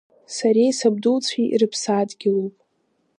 Сареи сабдуцәеи ирыԥсадгьылуп.